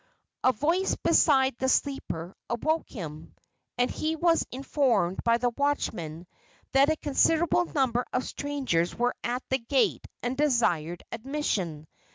A voice beside the sleeper awoke him, and he was informed by the watchman that a considerable number of strangers were at the gate and desired admission.